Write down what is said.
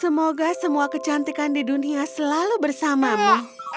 semoga semua kecantikan di dunia selalu bersamamu